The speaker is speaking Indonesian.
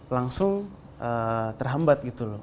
langsung terhambat gitu loh